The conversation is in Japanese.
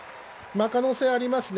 可能性ありますね。